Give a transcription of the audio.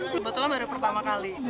kebetulan baru pertama kali